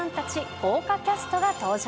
豪華キャストが登場。